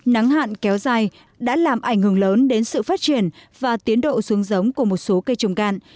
nắng hạn kéo dài đã làm ảnh hưởng lớn đến sự phát triển và tiến độ xuống giống của một số cây trồng cạn